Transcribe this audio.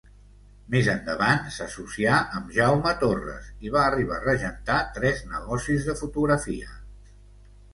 Més endavant s'associà amb Jaume Torres i va arribar a regentar tres negocis de fotografia.